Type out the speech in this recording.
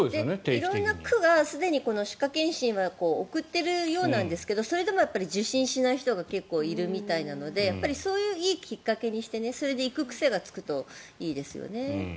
色んな区が色々歯科検診とか送ってるみたいですがそれでもやっぱり受診しない人が結構いるみたいなのでそういういいきっかけにしてそれで行く癖がつくといいですよね。